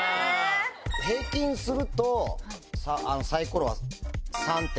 平均するとサイコロは。